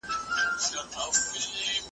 کښتۍ وان چي وه لیدلي توپانونه.